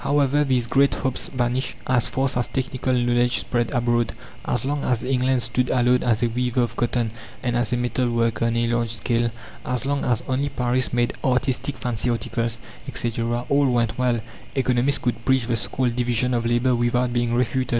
However, these great hopes vanished as fast as technical knowledge spread abroad. As long as England stood alone as a weaver of cotton and as a metal worker on a large scale; as long as only Paris made artistic fancy articles, etc., all went well, economists could preach the so called division of labour without being refuted.